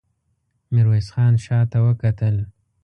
ميرويس خان شاته وکتل.